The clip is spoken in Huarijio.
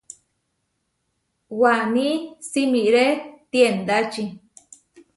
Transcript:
Waní simiré tiendáčí.